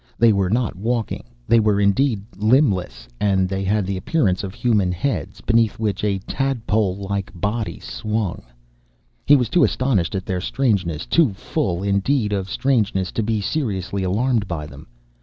They were not walking, they were indeed limbless, and they had the appearance of human heads, beneath which a tadpole like body swung. He was too astonished at their strangeness, too full, indeed, of strangeness, to be seriously alarmed by them.